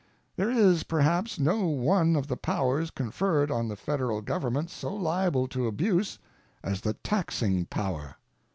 There is, perhaps, no one of the powers conferred on the Federal Government so liable to abuse as the taxing power.